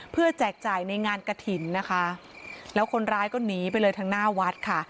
เพื่อแจกจ่ายในงานกระถิ่นนะคะแล้วคนร้ายก็หนีไปเลยทางหน้าวัดค่ะ